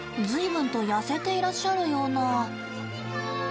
ずいぶんと痩せていらっしゃるような。